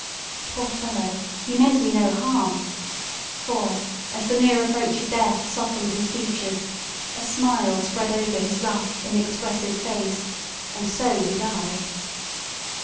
Poor fellow, he meant me no harm, for, as the near approach of death softened his features, a smile spread over his rough inexpressive face, and so he died.